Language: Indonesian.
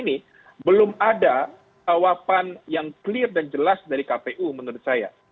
ini belum ada jawaban yang clear dan jelas dari kpu menurut saya